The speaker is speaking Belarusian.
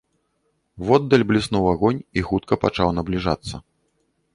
Воддаль бліснуў агонь і хутка пачаў набліжацца.